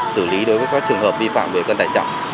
xử lý đối với các trường hợp vi phạm về cân tải trọng